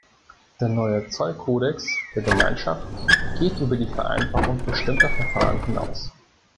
Der neue Zollkodex der Gemeinschaft geht über die Vereinfachung bestimmter Verfahren hinaus.